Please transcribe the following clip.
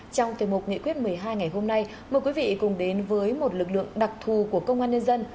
trong tiềm mục nghị quyết một mươi hai ngày hôm nay mời quý vị cùng đến với một lực lượng đặc thù của công an nhân dân